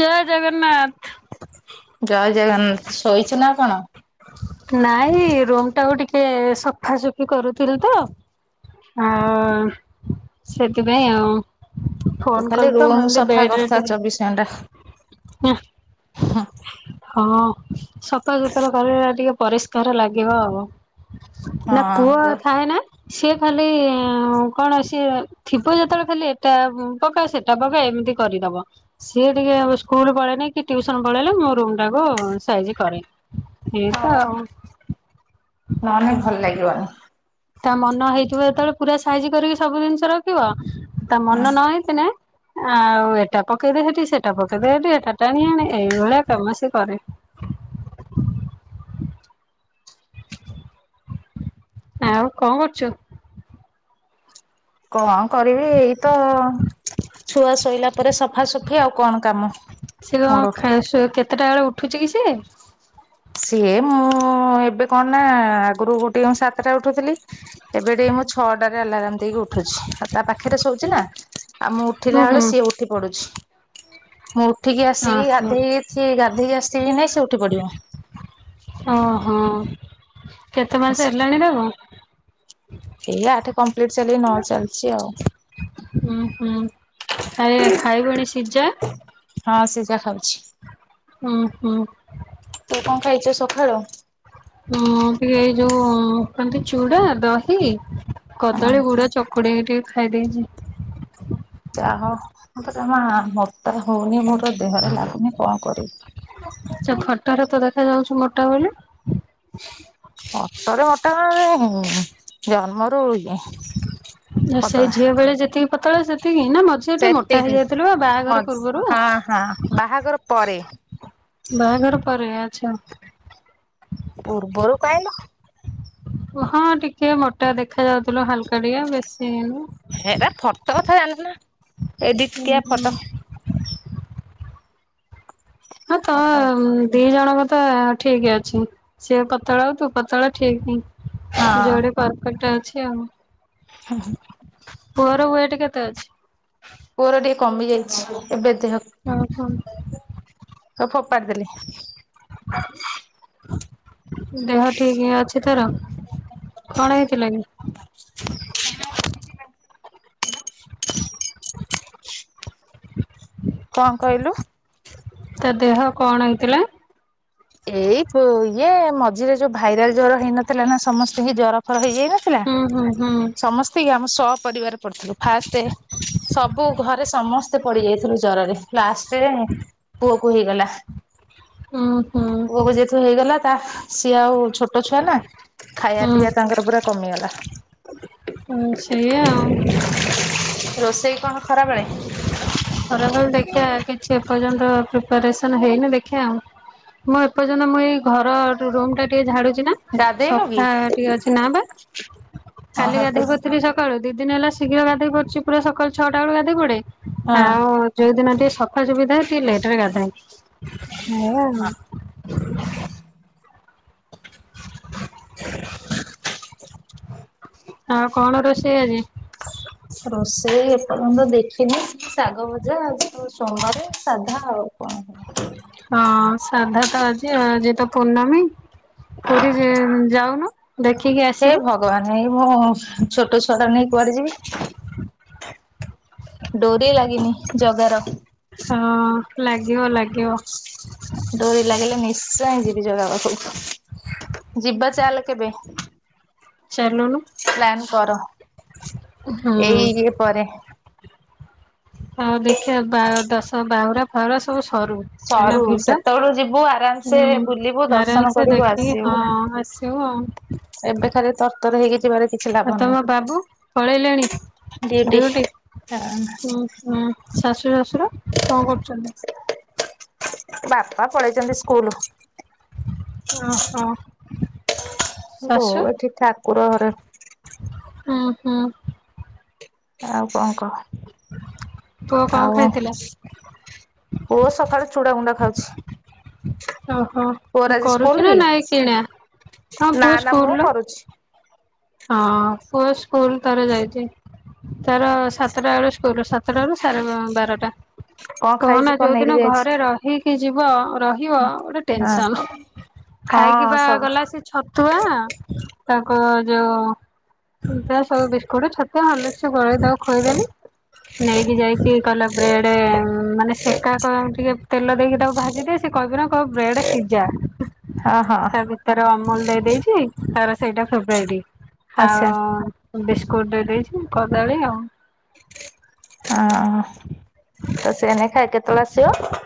ଜୟ ଜଗନ୍ନାଥ। ଜୟ ଜଗନ୍ନାଥ। ଶୋଇଛୁ ନା କଣ? ନାଇଁ ରୋ ଟାକୁ ଟିକେ ସଫାସଫି କରୁଥିଲି ତ ହଁ ସେଥିପାଇଁ ଆଉ। ତୁ ଫୋନ ଖାଲି କଲି ତ ରୁମ ମୁଁ ଏମତି ସଫା ବେଡରେ କରୁଥା ଟିକେ ଚବିଶ ଘଣ୍ଟା। ହଁ। ହଁ ସଫା ସୁତୁରା କରା ଟିକେ ପରିଷ୍କାର ଲାଗିବ ଆଉ। ହଁ ନା ପୁଅ ଯୋଉ ଥାଏ ନା। ସିଏ ଖାଲି କଣ ସିଏ ଥିବ ଯେତେବେଳେ ଖାଲି ଏଟା ପକା ସେଟା ପକା ମ କରିଦବ ସିଏ ଟିକେ ସ୍କୁଲ ପଳେଇଲେ କି ଟ୍ୟୁସନ ପଳେଇଲେ ମୋ ରୁମ ଟାକୁ ସାଇ କରେ। ଏଇ ହଁ ତ ବା ଆଉ। ନହେଲେ ଭଲ ଲାଗିବନି। ତା ମନ ହେଇଥିବ ଯେତେବେଳେ ପୁରା ସାଇଜି କରିକି ସବୁ ଜିନିଷ ରଖିବ। ତା ମନ ନ ହେଇଥିନେ ଆଉ ଏଟା ପକେଇଦେ ଏଠି ସେଟା ପକେଇଦେ ହେଠି ହେଠା ଟାଣି ଆଣେ ଏଇଭଳିଆ କାମ ସେ କରେ। ଆଉ କଣ କରୁଛୁ? କଣ କରିବି ଏଇ ତ ଛୁଆ ଶୋଇଲା ପରେ ସଫାସଫି ଆଉ କଣ କାମ। ସେ କଣ ମୋର ଖା ସୋ କେତେ ଉଠୁଛି କି ସେ। ସିଏ ମୁଁ ଏବେ କଣ ନା ଆଗରୁ ଗୋ ଟିକେ ମୁଁ ସାତଟା ଉଠୁଥିଲି। ଏବେ ଟିକେ ମୁଁ ଛଅ ଟାରେ ଆଲରାମ୍ ଦେଇକି ଉଠୁଚି। ତା ପାଖରେ ଶୋଉଚି ନା ହୁଁ ଉଠିଲା ବେଳେ ହୁଁ ସିଏ ଉଠି ପଡୁଛି। ମୁଁ ଉଠିକି ଆସିକି ହଁ ଗାଧେଇକି ଗାଧେଇକି ଆସିଥିବି କି ନାଇଁ ସେ ଉଠି ପଡିବ। ଓହୋ କେତେ ମାସ ହେଲାଣି ତାକୁ? ହେଇ ଆଠ କମ୍ପ୍ଲିଟ ଚାଲି ନ ଚାଲିଛି ଆଉ। ହୁଁ ହୁଁ ଖାଇ ଖାଇବଣି ସିଝା? ହଁ ସିଝା ଖାଉଛି। ହୁଁ ହୁଁ। ତୁ କଣ ଖାଇଚ ସକାଳୁ? ହଁ ଟିକେ ଏଇ ଯୋଉ କଣ ତ ଚୁଡା ଦହି ହଁ କଦଳୀ ଗୁଡ ଚକଡି କି ଟିକେ ଖାଇଦେଇଛି। ଯାହା ମତେ [unintelligible] ହଉନି ମୋର ତା ଦେହରେ ଲାଗୁନି କଣ କରିବି। ଫୋଟରେ ତ ଦେଖାଯାଉଛି ମୋଟା ବୋଲି? ଫୋଟରେ ମୋଟା ଜନ୍ମ ରୁ ଆ ସେଇ ଝିଅ ବେଳେ ଯେତିକି ପତଳା ସେ ସେତିକି ନା ମଝିରେ ଟିକେ ମୋଟା ସେତିକି ହେଇଯାଇଥିଲୁ ବାହାଘର ମଝି ପୂର୍ବରୁ। ହଁ ହଁ ବାହାଘର ପରେ ବାହାଘର ପରେ ଆଚ୍ଛା। ପୂର୍ବରୁ କାଇଁ ଲୋ। ଓ ହଁ ଟିକେ ମୋଟା ଦେ ଦେଖା ଯାଉଥିଲୁ ହାଲକା ଟିକେ ବେଶୀ ନୁହେଁ। ଏଡିଟ୍ କିଆ ଫଟୋ। ହଁ ତ ଫଟୋ ଦି ଜଣଙ୍କ ତ ଠିକ ଅଛି। ସିଏ ପତଳା ଆଉ ତୁ ପତଳା ଠିକ୍। ଯୋଡ଼ି ପରଫେକ୍ଟ ଅଛି ଆଉ। ହଁ ହଁ। ପୁଅର ୱେଟ କେତେ ଅଛି? ପୁଅର ଟିକେ କମି ଯାଇଛି ଏବେ ହଁ ହଁ। ସବୁ ଫୋପାଡ଼ିଦେଲି। ଦେହ ଠିକ ଅଛି ତାର। କଣ ହେଇଥିଲା କି? [inaudible] [inaudible] କଣ କହିଲୁ? ତା ଦେହ କଣ ହେଇଥିଲା? ଏଇ ବ ଇଏ ମଝିରେ ଯୋଉ ଭାଇରାଲ ଜର ହେଇନଥିଲା ନା ସମସ୍ତିଙ୍କି ଜର ଫର ହେଇଯାଇନଥିଲା ହୁଁ ହୁଁ ହୁଁ ସମସ୍ତି ଆମ ସପରରିବାର ପଡିଥିଲୁ ଫାଷ୍ଟେ। ସବୁ ଘରେ ସମସ୍ତେ ପଡିଯାଇଥିଲୁ ଜରରେ ଲାଷ୍ଟରେ ପୁଅ କୁ ହେଇଗଲା। ହୁଁ। ହୁଁ। ପୁଅକୁ ଯେହତୁ ହେଇଗଲା ତା ସିଏ ଆଉ ଛୋଟ ଛୁଆ ନା ଖାଇବା ହୁଁ ପିଇବା ତାଙ୍କର ପୁରା। କମିଗଲା। ହଁ ସେଇଆ ଆଉ। ରୋଷେଇ କଣ ଖରାବେଳେ? ଖରାବେଳେ ଦେଖିବା କିଛି ଏପର୍ଯ୍ୟନ୍ତ ପ୍ରିପାରେସନ ହେଇନି ଦେଖିଆ ଆଉ। ମୁଁ ଏପର୍ଯ୍ୟନ୍ତ ମୁଁ ଏଇ ଘର ରୁମ ଟା ଟିକେ ଝାଡୁ ଛି ନା ଗାଧେଇନୁ କି? ସଫା ଟିକେ ଅଛି ନା ବା କାଲି ଓହୋ ତୁ ଗାଧେଇ ପଡ଼ିଥିଲି ସକାଳୁ। ଦି ଦିନ ହେଲା ଶୀଘ୍ର ଗାଧେଇ ପଡୁଛି ପୁରା ସକାଳ ଛଅଟା ବେଳୁ ଗାଧୋଇ ପଡେ ହଁ ଆଉ ଯୋଉ ଦିନ ଟିକେ ସଫା ସଫି ଥାଏ ଟିକେ ଲେଟ୍ ରେ ଗାଧାଏ ଏୟା ଆଉ। [inaudible] ଆଉ କଣ ରୋଷେଇ ଆଜି? ରୋଷେଇ ଏପର୍ଯ୍ୟନ୍ତ ଦେଖିନି ଶାଗ ଭଜା ଆଉ। ଆଉ ସୋମବାରେ ସାଧା ଆଉ। କଣ ହବ। ହଁ ସାଧା ତ ଆଜି ଆଜି ତ ପୂର୍ଣ୍ଣମୀ ପୁରୀ ଜି ଯାଉନୁ। ଦେଖିକି ହେ ଆସିବୁ ଭଗବାନ ଏଇ ମୋ ଛୋଟ ଛୁଆଟାକୁ ନେଇ କୁଆଡେ ଯିବି। ଡୋରି ଲାଗିନି ଜଗାର। ହଁ ଲାଗିବ ଲାଗିବ। ଡୋରି ଲାଗିଲେ ନିଶ୍ଚୟ ଯିବି ଜଗା ପାଖକୁ ଯିବା ଚାଲ କେବେ। ଚାଲୁନୁ। ପ୍ଲାନ୍ କର ହୁଁ ଏଇ ଇଏ ପରେ। ତ ବାହୁରା ଫାହୁରା ସବୁ ସରୁ କାହିଁ ନା ସରୁ ଭିଡ଼ ସେତେବେଳୁ ଯିବୁ ଆରାମସେ ହୁଁ ବୁଲିବୁ ଦର୍ଶନ ଆରାମ ସେ କରିବୁ ଦେଖିକି ଆସିବୁ। ହଁ ଆସ ଆସିବ ଆଉ। ଏବେ ଖାଲି ତରତର ହେଇକି ଯିବାରେ କିଛି ଆଉ ଲାଭ ନାହିଁ ତମ ବାବୁ ପଳେଇଲେଣି ଡ୍ୟୁଟି। ହୁଁ ହୁଁ ଶାଶୁ ଶଶୁର କଣ କରୁଛନ୍ତି? ବାପା ପଳେଇଛନ୍ତି ସ୍କୁଲୁ। ଓହୋ ବୋଉ ଶାଶୁ ଏଠି ଠାକୁର ଘରେ। ହୁଁ ହୁଁ। ଆଉ କଣ ପୁଅ କହ କଣ ଆଉ। ଖାଇଥିଲା? ପୁଅ ସକାଳୁ ଚୁଡା ଗୁଣ୍ଡା ଖାଉଛି। ଓହୋ ପୁଅର ଆଜି ସ୍କୁଲ କରୁଛୁ ନା କି ନାଇଁ କିଣା? ହଁ ନା ପୁଅ ନା ସ୍କୁଲ୍ ମୁଁ ର। କରୁଛି। ହଁ ପୁଅ ସ୍କୁଲ ତାର ଯାଇଛି ତାର ସାତଟା ବେଳେ ସ୍କୁଲ ସାତଟା ରୁ ସାଢେ ବା-ବାରଟା କଣ ଖାଇଛି କହନା କଣ ଯୋଉ ନେଇକି ଦିନ ଯାଇଛି ଘରେ ରହିକି ଯିବ ରହିବ ଗୋଟେ ହଁ ଟେନସନ ହଁ ଖାଇକିିବା ସବୁ ଗଲା ସେ ଛତୁଆ ତାଙ୍କ ଯୋଉ ଯ ସବୁ ବିସ୍କୁଟ, ଛତୁଆ, ହାର୍ଲିକ୍ସ୍ ଗୋଳେଇ ତାକୁ ଖୋଇଦେଲି। ନେଇକି ଯାଇଚି କହିଲା ବ୍ରେଡ ଉଁ ମାନେ ସେକା କ ଟିକେ ତେଲ ଦେଇକି ତାକୁ ଭାଜିଦିଏ ସେ କହିବି ନା କ ବ୍ରେଡ ସିଝା ହଁ ହଁ ତା ଭିତରେ ଅମୁଲ ଦେଇ ଦେଇଚି ତାର ସେଇଟା ଫେବ୍ରାଇଟ୍। ଆଚ୍ଛା ଆଉ ବିସ୍କୁଟ ଦେଇ ଦେଇଛି କଦଳୀ ଆଉ ହଁ ତ [unintelligible] ଖାଇ କେତେବେଳେ ଆସିିବ?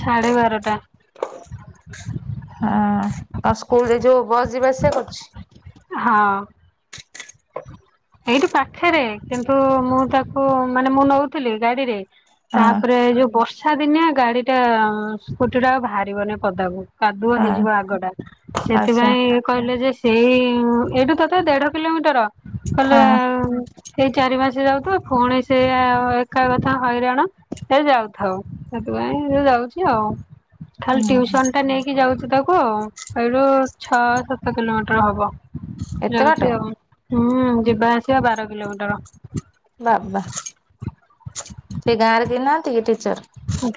ସାଢ଼େ ବାରଟା। ହଁ ଆ ସ୍କୁଲ ରେ ଯୋଉ ବସ୍ ଯିବା ଆସିବା କରୁଚି? ହଁ। ଏଇଠି ପାଖରେ କିନ୍ତୁ ମୁଁ ତାକୁ ମାନେ ମୁଁ ନୋଉଥିଲି ଗାଡିରେ ହଁ ତାପରେ ଏଇ ଯୋଉ ବର୍ଷା ଦିନିଆ ଗାଡି ଟା ସ୍କୁଟି ଟା ଆଉ ଭାରିବନି ପଦାକୁ। କାଦୁଅ ହେଇଯିବ ହଁ ଆଗଟା, ଆଚ୍ଛା ସେଥିପାଇଁ କହିଲେ ଯେ ଏଇ ଉଁ ଏଇଠୁ ତଥାପି ଦେଢ଼ କିଲୋମିଟର କଲେ ହଁ ଏଇ ଚାରି ମାସ ଯାଉଥାଉ ପୁଣି ସେ ଏକା କଥା ହଇରାଣ ସେ ଯାଉଥାଉ ସେଥିପାଇଁ ଯାଉ ଆଉ ଖାଲି ହୁଁ ଟଉସନ ଟା ନେଇକି ଯାଉଚି ତାକୁ। ହ ଏଇଠୁ ଛଅ ସାତ କିଲୋମିଟର ହବ ଏତେ ବାଟ ଯାଉଚି ଆଉ ଉଁ ହୁଁ ଯିବା ଆସିବା ବାର କିଲୋମିଟର। ବାବା ସେ ଗାଁରେ କେହି ନାହାଁନ୍ତି କି ଟିଚର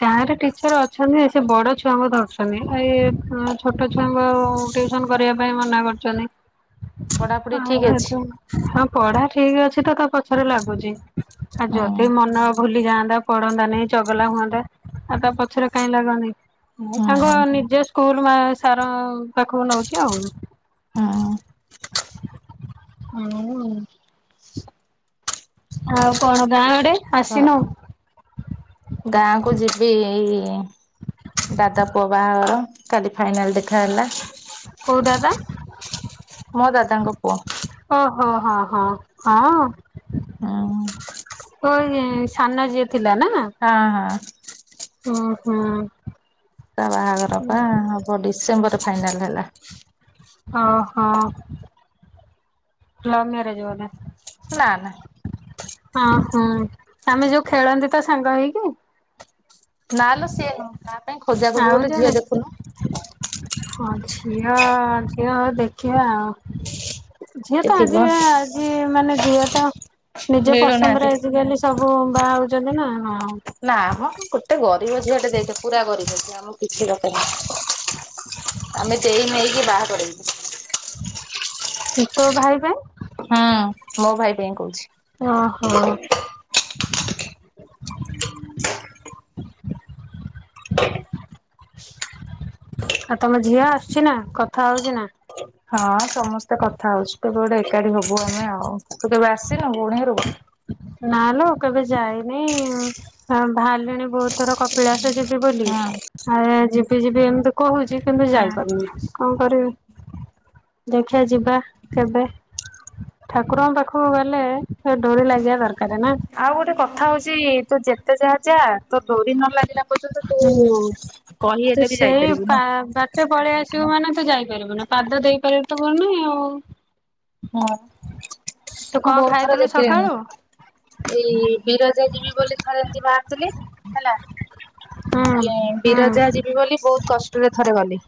ଗାଁରେ ଟି ର ଅଛନ୍ତି ଯେ ସେ ବଡ ଛୁଆଙ୍କୁ ଧରୁଚନ୍ତି ଏ ଛୋଟ ଛୁଆଙ୍କୁ ଆଉ ଟିଉସନ କରିବା ପାଇଁ ମନା ପଢାପଢି ଠିକ ଅଛି କରଚନ୍ତି ହଁ ପଢା ଠିକ ଅଛି ତ ତା ପଛରେ ଲାଗୁଚି ଆଉ ହୁଁ ଯଦି ମନ ଭୁଲି ଯାଆନ୍ତା ପଢ଼ନ୍ତା ନେଇଁ ଚ ଗଲା ହୁଅନ୍ତା ଆଉ ତା ପଛରେ କାଇଁ ଲାଗନ୍ତି? ମୁଁ ତାଙ୍କ ହୁଁ ନିଜ ସ୍କୁଲ ମା ସାରଙ୍କ ପାଖକୁ ନୋଉଚି ଆଉ ହୁଁ ହଁ। ଆଉ କଣ ଗାଁ ଗଡେ ଆସିନୁ? ଗାଁକୁ ଯିବି ଏଇ ଦାଦା ପୁଅ ବାହାଘର କାଲି ଫାଇନାଲ ଦେଖା ହେଲା। କୋଉ ଦାଦା? ମୋ ଦାଦାଙ୍କ ପୁଅ। ଓହୋ ହଁ ହଁ ହଁ ହଁ ଓ ଏଇ ସାନ ଯିଏ ହଁ ହଁ। ଓ ହୁଁ। ତା ବାହାଘର ପା ହବ ଡିସେମ୍ବରେ ଫାଇନାଲ ହେଲା। ହଁ ହିଁ। ଲଭ୍ ମେରେଜ ବୋଧେ? ନା ନା। ହଁ ଉଁ ଆମେ ଯୋଉ ଖେଳନ୍ତି ତ ସାଙ୍ଗ ହେଇକି? ନାଲୋ ସିଏ ନୁହଁ। ତା ପାଇଁ ଖୋଜାଖୋଜି ଆଉ ଗୋଟେ ଜଣେ ଝିଅ ଦେଖୁନୁ ହଁ ଝିଅ ଝିଅ ଦେଖିବା ଆଉ ଝିଅ କିଏ ତ ଆଜି ଥିବ ଆଜି ମାନେ ଝିଅ ତ ନିଜ ମିଳୁନାହାନ୍ତି। ପସନ୍ଦରେ ଆଜିକାଲି ସବୁ ବାହା ହଉଛନ୍ତି ନା। ନା ମ ଗୋଟେ ଗରିବ ଝିଅ ଟେ ଦେଖେ ପୁରା ଗରିବ ଝିଅ ଆମ କିଛି [unintelligible] ନାହିଁ। ଆମେ ଦେଇ ନେଇକି ବାହା କ [unintelligible] ତୋ ଭାଇ ପାଇଁ ହୁଁ ମୋ ଭାଇ ପାଇଁ କହୁଚି? ଓହୋ ହ ଆଉ ତମ ଝିଅ ଆସୁଛି ନା କଥା ହଉଛି ନା? ହଁ ସମସ୍ତେ କଥା ହଉଛି କେବେ ଗୋଟେ ଏକାଠି ହବୁ ଆମେ ଆଉ, ତୁ କେବେ ଆସିନୁ ପୁଣି ଘରକୁ? ନା ଲୋ କେବେ ଯାଇନି ବାହାରିଲିଣି ବହୁତ୍ ଥର କପିଳାସ ଯିବି ବୋଲି ହଁ ଆ ଯିବି ଯିବି ଏମିତି କହୁଛି କିନ୍ତୁ ହଁ ଯାଇପାରୁନି, କଣ କରିବି? ଦେଖିବା ଯିବା କେବେ। ଠାକୁରଙ୍କ ପାଖକୁ ଗଲେ ସେ ଡୋରି ଲାଗିବା ଦରକା ଆଉ ଗୋଟେ କଥା ହଉଚି, ତୁ ଯେତେ ଯାହା ଚାହ୍ ତୋ ଡୋରି ନ ଲାଗିଲା ପର୍ଯ୍ୟନ୍ତ ତୁ ହୁଁ ତ କହିହେଲେ ବି ସେଇ ଯାଇପାରିବୁନୁ। ବା-ବାଟେ ପଳେଇଆ ମାନେ ତୁ ଯାଇପାରିବୁନି ପାଦ ଦେଇପାରି ତ ବନି ଆଉ। ହଁ ତୁ ମୁଁ କଣ ବହୁତ ଥର ଖାଇଥିଲୁ ଦେଖିଲିଣି। ସକାଳୁ? ସେଇ ବିରଜା ଯିବି ବୋଲି ଥରେ ଏମିତି ବାହାରିଥିଲି। ହେଲା ହୁଁ ଇଏ ହୁଁ ବିରଜା ଯିବି ବୋଲି ବହୁତ କଷ୍ଟରେ ଥରେ ଗଲି।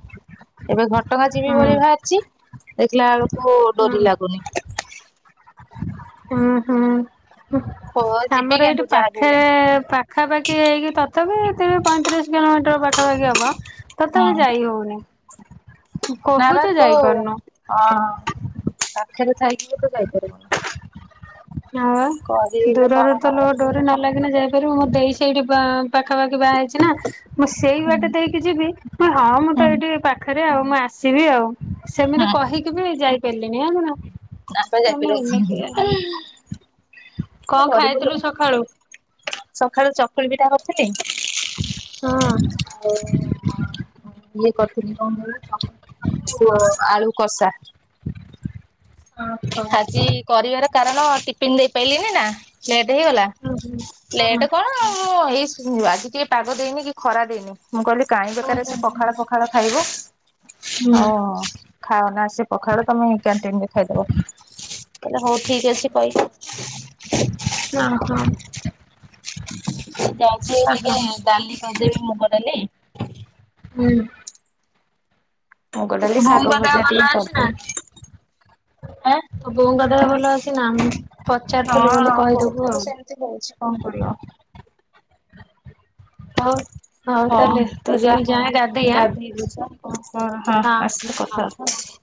ଏବେ ଘଟଗାଁ ଯିବି ହୁଁ ବୋଲି ବାହାରିଛି ଦେଖିଲା ବେଳକୁ ହୁଁ ଡୋରି ଲାଗୁନି। ହୁଁ ହୁଁ। ହୋ ଯିବି ଆମର ଏଇଠି କିନ୍ତୁ ଯାହାବି ପାଖେ ହେଲେ ପାଖାପାଖି ହେଇକି ତଥାପିି ତିରି ପଇଁତିରିଶ କିଲୋମିଟର ବା ବାଗିଆ ହବ ତଥାପି ଯାଇ ହଉନି। ନାବା କହୁଛୁ ତୋ, ଯାଇପାରୁନୁ ହଁ ହଁ। ପାଖରେ ଥାଇକି ତ ଯାଇପାରିବୁନି। ହଁ। କରିଲେ ଦୂରରୁ କଣ ତ ହବ ଲୋକ ଡୋରି ନ ଲାଗିନେ ଯାଇପାରିବୁ, ମୋ ଦେଇ ସେଇଠି ପା-ପାଖାପାଖି ବାହା ହେଇଛି ନା ସେଇ ହୁଁ ବାଟେ ଦେଇକି ଯିବି, ହଁ ମୁଁ ତ ହୁଁ ଏଇଠି ପାଖରେ ଆଉ ମୁଁ ଆସିବି ଆଉ, ସେମିତି କହିକି ବି ଯାଇପାରିଲିନି ଆଁ ଆପେ ଯାଇ ପାରିବ। କଣ କରିବ, ଖାଇଥିଲୁ ସକାଳୁ? ସକାଳୁ ଚକୁଳି ପିଠା କରିଥିଲି। ଆଉ ହଁ। ଇଏ କରିଥିଲି କଣ୍ କହିଲୁ ଆଳୁ କଷା। ଓହୋ। ଆଜି କରିବାର କାରଣ ଟିଫିନ ଦେଇପାରଲିିନି ନା, ସେ ହେଇଗଲା, ହୁଁ ହୁଁ। ଲେଟ କଣ ମୁଁ ଏଇ ଆଜି ଟିକେ ପାଗ ଦେଇନି କି ଖରା ଦେଇନି। ମୁଁ କହିଲି କାହିଁ ହୁଁ ବେକାର ସେ ହୁଁ ହୁଁ। ପଖାଳ ଫଖାଳ ଖାଇବ। ହଁ ହୁଁ। ଖାଅନା ସେ ପଖାଳ ତମେ କ୍ୟାଣ୍ଟିନରେ ଖାଇଦବ। ତାହଲେ ହଉ ଠିକ ଅଛି କହିଲି। ଓହୋ ଯାଉଛି ଟିକେ ଓହୋ ଡାଲି କରିଦେବି ମୁଗ ଡାଲି। ହୁଁ। ମୁଗ ତୋ ଡ଼ାଲି, ଶାଗ ବୋଉଙ୍କ ଦେହ ଭଜା ଭଲ ଟିକେ ଅଛି ନା? କରିଦେବି। ହାଁ, ତୋ ବୋଉଙ୍କ ଦେହ ଭଲ ଅଛି ନା ହଁ ପଚାରୁଥିଲୁ ବୋଲି କହିଦବୁ ଆଉ ବହୁତ ସେମିତି ହଉଛି କଣ କରିବ? ହ ହଁ ହଁ ତ ଯା ଆଁ ଗାଧେଇବୁ ଯା କଣ କର, ହଁ ଆସିଲେ କଥାବାର୍ତ୍ତା।